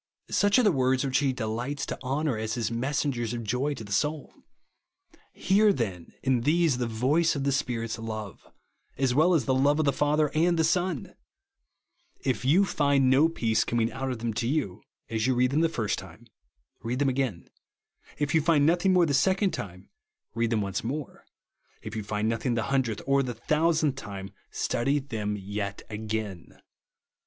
Such are the words which he delights to honour as his messengers of joy to the souL Hear then, in these, the voice of the Spirit's love, as well as the love of the Father and the Son ! If you find no peace coming out of them to you, as you read them the first time, read them again. If you find nothing the second time, read them once more. If you find nothing the hundredth or the thousandth time, study them yet again.